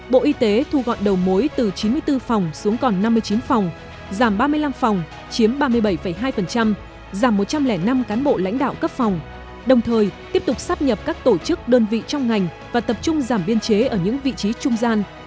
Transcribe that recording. bộ y tế thu gọn đầu mối từ chín mươi bốn phòng xuống còn năm mươi chín phòng giảm ba mươi năm phòng chiếm ba mươi bảy hai giảm một trăm linh năm cán bộ lãnh đạo cấp phòng đồng thời tiếp tục sắp nhập các tổ chức đơn vị trong ngành và tập trung giảm biên chế ở những vị trí trung gian